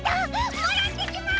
もらってきます！